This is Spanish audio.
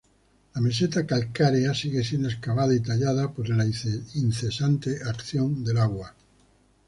La meseta calcárea sigue siendo excavada y tallada por la incesante acción del agua.